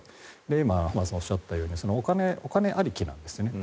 今おっしゃったようにお金ありきなんですね。